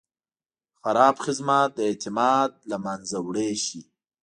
خراب خدمت د اعتماد له منځه وړی شي.